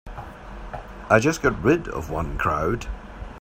I just got rid of one crowd.